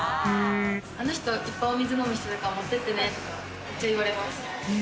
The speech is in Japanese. あの人は、お水いっぱい飲む人だから持ってってね、めっちゃ言われます。